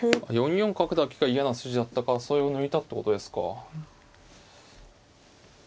４四角だけが嫌な筋だったからそれを抜いたってことですか。